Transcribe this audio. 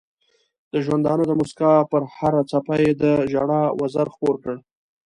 د ژوندانه د مسکا پر هره څپه یې د ژړا وزر خپور کړ.